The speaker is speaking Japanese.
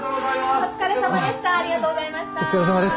お疲れさまです。